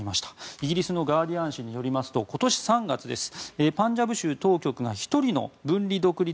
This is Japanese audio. イギリスのガーディアン紙によりますと今年３月、パンジャブ州当局が１人の分離独立